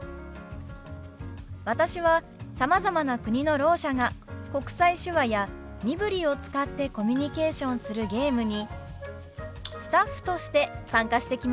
私はさまざまな国のろう者が国際手話や身振りを使ってコミュニケーションするゲームにスタッフとして参加してきました。